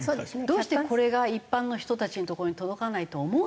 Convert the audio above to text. どうしてこれが一般の人たちのところに届かないと思うのだろうと。